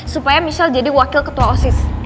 supaya misal jadi wakil ketua osis